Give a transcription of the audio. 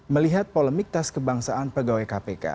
melihat polemik tas kebangsaan pegawai kpk